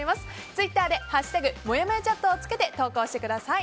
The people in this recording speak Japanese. ツイッターで「＃もやもやチャット」をつけて投稿してください。